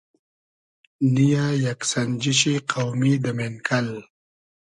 نییۂ یئگ سئنجیشی قۆمی دۂ مېنکئل